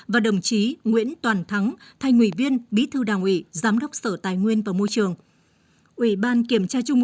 và đồng chí nguyễn toàn thắng thành ủy viên bí thư đảng ủy giám đốc sở tài nguyên và môi trường